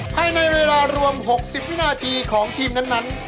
ภายในเวลารวม๖๐วินาทีของทีมนั้น